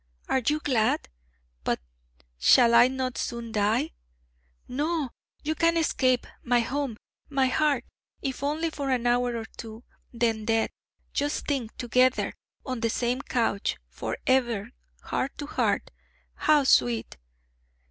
Are you glad?... But shall I not soon die?' 'No! You can escape! My home! My heart! If only for an hour or two, then death just think, together on the same couch, for ever, heart to heart how sweet!'